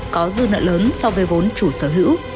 có dư nợ lớn so với vốn chủ sở hữu